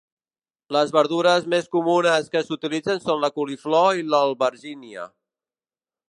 Les verdures més comunes que s'utilitzen són la coliflor i l'albergínia.